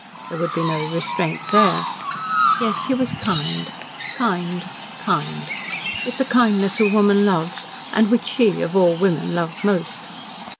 There would be no restraint there. Yes, he was kind kind kind with the kindness a woman loves, and which she, of all women, loved most.